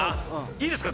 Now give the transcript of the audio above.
いいですか？